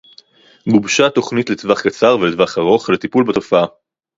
גובשה תוכנית לטווח קצר ולטווח ארוך לטיפול בתופעה